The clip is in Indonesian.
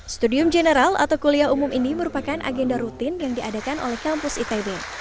studium general atau kuliah umum ini merupakan agenda rutin yang diadakan oleh kampus itb